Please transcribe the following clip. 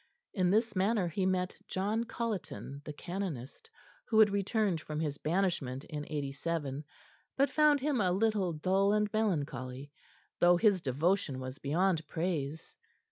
In this manner he met John Colleton, the canonist, who had returned from his banishment in '87, but found him a little dull and melancholy, though his devotion was beyond praise.